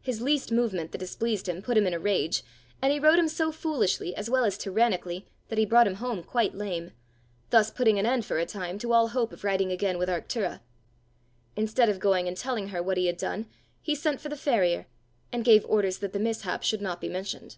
His least movement that displeased him put him in a rage, and he rode him so foolishly as well as tyrannically that he brought him home quite lame, thus putting an end for a time to all hope of riding again with Arctura. Instead of going and telling her what he had done, he sent for the farrier, and gave orders that the mishap should not be mentioned.